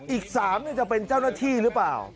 อีก๓จะเป็นเจ้าหน้าที่หรือเปล่า